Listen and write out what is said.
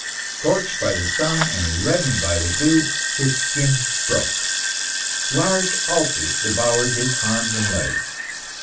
Scorched by the sun, and reddened by the dew, his skin broke; large ulcers devoured his arms and legs.